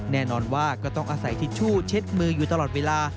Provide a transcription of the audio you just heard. แน่นอนว่าก็ต้องอาศัยทิชชู่เช็ดมืออยู่ตลอดเวลา